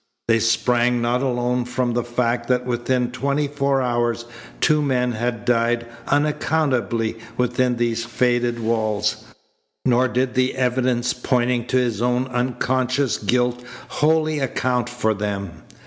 They sprang not alone from the fact that within twenty four hours two men had died unaccountably within these faded walls. Nor did the evidence pointing to his own unconscious guilt wholly account for them.